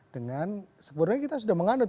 dengan sebetulnya kita sudah mengandut